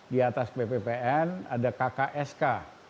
di atas pppn ada kksk